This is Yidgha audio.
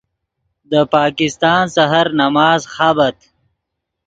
دے پاکستان سحر نماز خابت